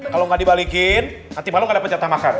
kalau gak dibalikin nanti malu gak dapat catat makan